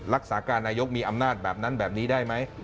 รักษาการนายกมีอำนาจแบบนั้นแบบนี้ได้ไหม